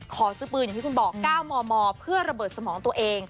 ขอซื้อปืนอย่างที่คุณบอก๙มมเพื่อระเบิดสมองตัวเอง